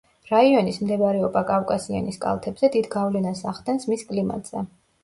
რაიონის მდებარეობა კავკასიონის კალთებზე დიდ გავლენას ახდენს მის კლიმატზე.